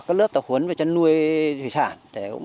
các lớp tàu huấn và chăn nuôi thủy sản